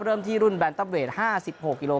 เริ่มที่รุ่นแบนด์เตอร์เวส๕๖โกรม